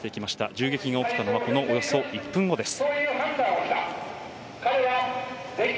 銃撃が起きたのはこのおよそ１分後です。